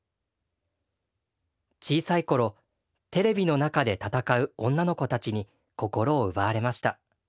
小さいころテレビの中で戦う女の子たちに心を奪われました。